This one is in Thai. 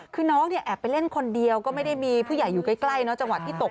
คือน้องเนี่ยแอบไปเล่นคนเดียวก็ไม่ได้มีผู้ใหญ่อยู่ใกล้เนอะจังหวัดที่ตก